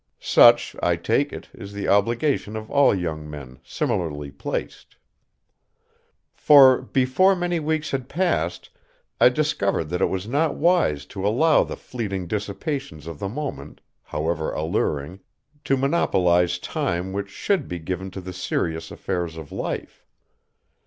Such, I take it, is the obligation of all young men similarly placed. For, before many weeks had passed, I discovered that it was not wise to allow the fleeting dissipations of the moment, however alluring, to monopolize time which should be given to the serious affairs of life.